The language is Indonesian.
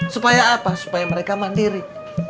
supaya apa supaya mereka mandiri